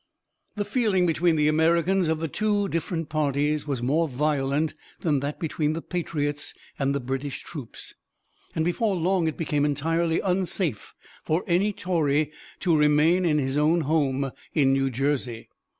The feeling between the Americans of the two different parties was more violent than that between the patriots and the British troops, and before long it became entirely unsafe for any Tory to remain in his own home in New Jersey.